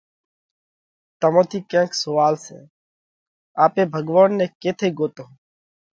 تمون ٿِي ڪينڪ سوئال سئہ؟ آپي ڀڳوونَ نئہ ڪيٿئہ ڳوتونه؟